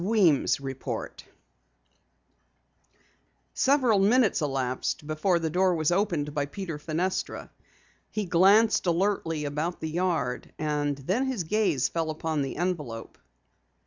WEEMS' REPORT_ Several minutes elapsed before the door was opened by Peter Fenestra. He glanced alertly about the yard, and then his gaze fell upon the envelope.